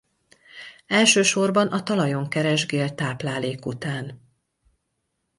Elsősorban a talajon keresgél táplálék után.